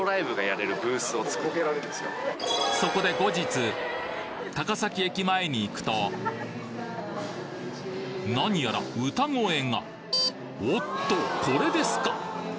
そこで後日高崎駅前に行くとなにやら歌声がおっとこれですか？